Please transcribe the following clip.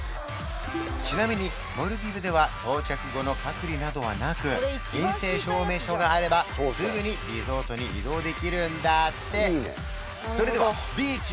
ちなみにモルディブでは到着後の隔離などはなく陰性証明書があればすぐにリゾートに移動できるんだって！